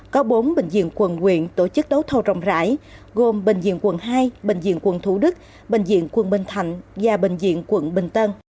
có bốn bệnh viện quần nguyện tổ chức đấu thầu rộng rãi gồm bệnh viện quần hai bệnh viện quần thủ đức bệnh viện quần bình thạnh và bệnh viện quần bình tân